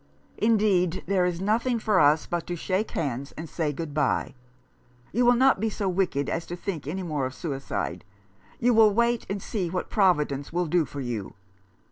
Indeed, there is nothing for us but to shake hands and say good bye. You will not be so wicked as to think any more of suicide. You will wait and see what Providence will do for you.